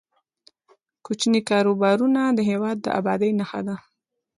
کوچني کاروبارونه د هیواد د ابادۍ نښه ده.